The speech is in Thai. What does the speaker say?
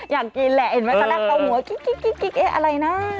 อยากกินแหละเห็นไหมสระกระหัวกิ๊กอะไรน่ะ